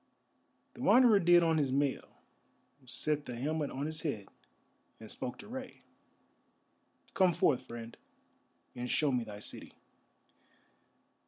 The Wanderer did on his mail, set the helmet on his head, and spoke to Rei. "Come forth, friend, and show me thy city."